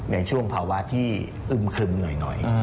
ในช่วงภาวะที่อึมครึมหน่อย